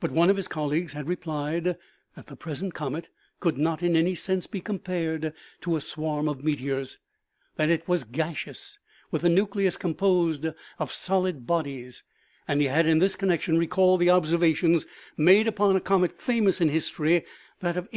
But one of his col leagues had replied that the present comet could not in any sense be compared to a swarm of meteors, that it was gaseous, with a nucleus composed of solid bodies and he had in this connection recalled the observations made upon a comet famous in history, that of 1811.